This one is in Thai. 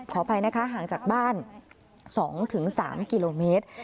ขออภัยนะคะห่างจากบ้าน๒๓กิโลเมตร